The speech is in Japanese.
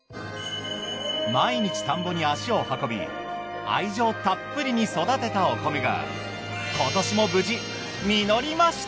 毎日田んぼに足を運び愛情たっぷりに育てたお米が今年も無事実りました。